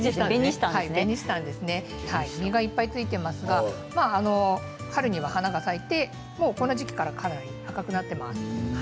実がいっぱい付いていますが春には花が咲いてこの時期からかなり赤くなっています。